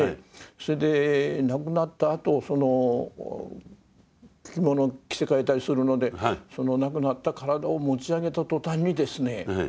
それで亡くなったあと着物を着せ替えたりするので亡くなった体を持ち上げた途端にですね